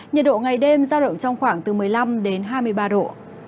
nhiệt độ ngày đêm giao động trong khoảng từ một mươi năm đến hai mươi ba độ